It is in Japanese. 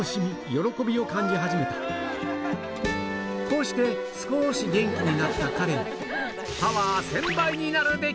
こうして少し元気になった彼になんと！